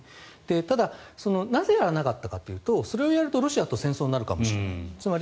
ただ、なぜやらなかったかというとそれをやるとロシアと戦争になるかもしれない。